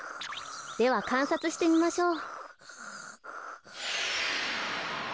ではかんさつしてみましょう。